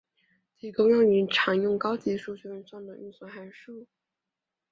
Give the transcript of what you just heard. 提供用于常用高级数学运算的运算函数。